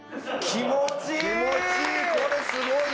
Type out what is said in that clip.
気持ちいい。